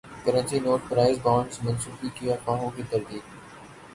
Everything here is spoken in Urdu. کرنسی نوٹ پرائز بانڈز منسوخی کی افواہوں کی تردید